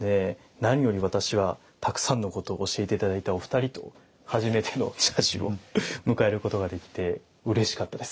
何より私はたくさんのことを教えて頂いたお二人と初めての茶事を迎えることができてうれしかったです。